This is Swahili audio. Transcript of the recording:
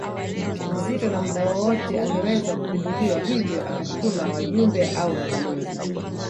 nzito na muda wowote angeweza kupinduliwa hivyo akatuma wajumbe au mabalozi